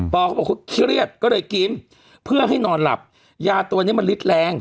เขาบอกเขาเครียดก็เลยกินเพื่อให้นอนหลับยาตัวนี้มันลิดแรง